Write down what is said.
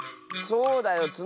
そうだよ。